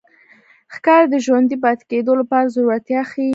ښکاري د ژوندي پاتې کېدو لپاره زړورتیا ښيي.